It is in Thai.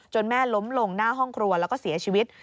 แม่ล้มลงหน้าห้องครัวแล้วก็เสียชีวิต